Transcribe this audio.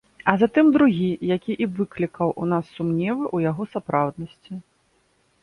А затым другі, які і выклікаў у нас сумневы ў яго сапраўднасці.